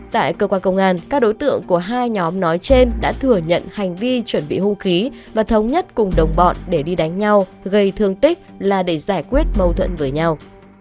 tại cơ quan công an các đối tượng của hai nhóm nói trên đã thừa nhận hành vi chuẩn bị hung khí và thống nhất cùng đồng bọn để đi đánh nhau gây thương tích là để giải quyết mâu thuẫn với nhau